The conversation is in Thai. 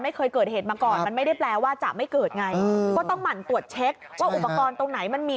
ไม่เคยเกิดเหตุมาก่อนมันไม่ได้แปลว่าจะไม่เกิดไง